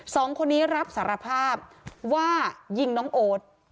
สองคนนี้รับสารภาพว่ายิงน้องโอ๊ต